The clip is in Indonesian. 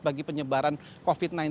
bagi penyebaran covid sembilan belas